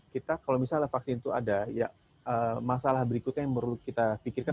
kita kalau misalnya vaksin itu ada ya masalah berikutnya yang perlu kita pikirkan